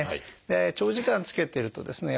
長時間つけてるとですね